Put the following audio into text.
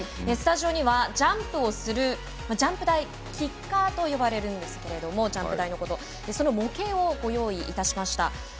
スタジオにはジャンプをするジャンプ台キッカーと呼ばれるんですがジャンプ台のことをその模型をご用意いたしました。